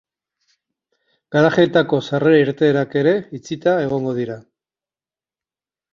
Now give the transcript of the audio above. Garajeetako sarrera-irteerak ere itxita egongo dira.